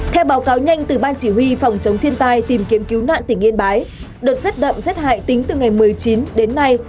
theo báo cáo nhanh từ ban chỉ huy phòng chống thiên tai tìm kiếm cứu nạn tỉnh yên bái đợt rất đậm rất hại tính từ ngày một mươi chín